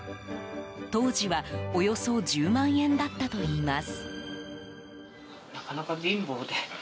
当時は、およそ１０万円だったといいます。